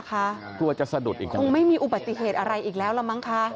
กลัวจะสะดุดไม่มีอุบัติเหตุอะไรหรือแล้วแล้วมั้งคะ